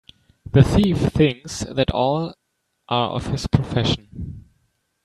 The thief thinks that all are of his profession.